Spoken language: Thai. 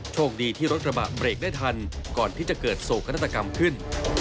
โชคดีที่รถกระบะเบรกได้ทันก่อนที่จะเกิดโศกนาฏกรรมขึ้น